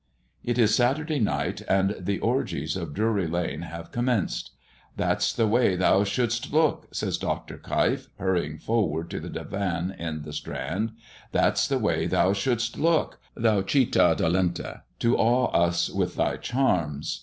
It is Saturday night, and the orgies of Drury lane have commenced. "That's the way thou shouldst look," says Dr. Keif, hurrying forward to the divan in the Strand; "that's the way thou shouldst look, thou Citta Dolente, to awe us with thy charms.